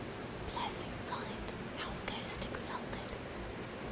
Blessings on it, how the Ghost exulted!